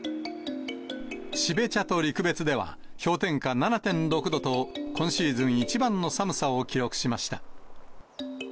標茶と陸別では氷点下７．６度と、今シーズン一番の寒さを記録しました。